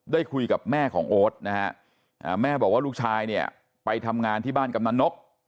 ได้คุยกับแม่ของโอ๊ตนะฮะแม่บอกว่าลูกชายเนี่ยไปทำงานที่บ้านกำนันนก